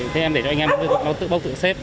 thế em để cho anh em nó tự bốc tự xếp